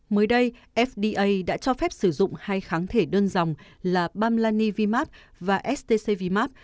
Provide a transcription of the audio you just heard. mới đây fda đã cho phép sử dụng hai kháng thể đơn dòng là bamlani vimab và stc vimab